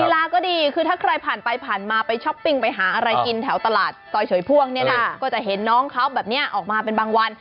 ลาก็ดีคือถ้าใครผ่านไปผ่านมาไปช้อปปิ้งไปหาอะไรกินแถวตลาดซอยเฉยพ่วงเนี่ยนะก็จะเห็นน้องเขาแบบนี้ออกมาเป็นบางวัน